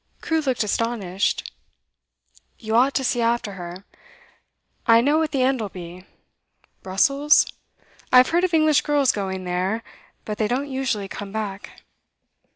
Crewe looked astonished. 'You ought to see after her. I know what the end 'll be. Brussels? I've heard of English girls going there, but they don't usually come back.